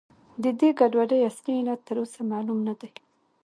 د دې ګډوډۍ اصلي علت تر اوسه معلوم نه دی.